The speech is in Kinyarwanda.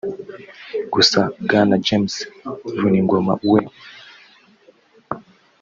gusa Bwana James Vuningoma we